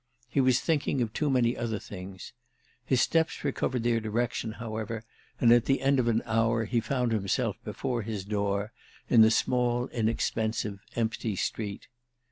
He was thinking of too many other things. His steps recovered their direction, however, and at the end of an hour he found himself before his door in the small inexpensive empty street.